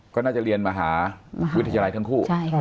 ก็น่าจะเรียนมหาวิทยาลัยทั้งคู่